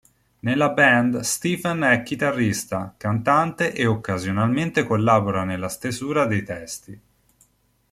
Nella band Stephen è chitarrista, cantante e occasionalmente collabora nella stesura dei testi.